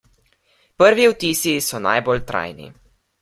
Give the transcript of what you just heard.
Prvi vtisi so najbolj trajni.